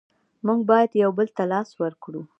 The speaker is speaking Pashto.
مونږ باید یو بل ته لاس ورکړو.